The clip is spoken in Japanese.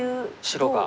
白が。